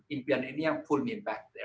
impian ini yang membuat saya kembali ke sana